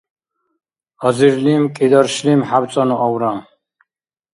азирлим кӀидаршлим хӀябцӀанну авра